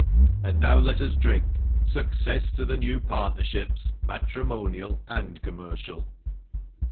And now let us drink— ' Success to the new partnerships, matrimonial and commercial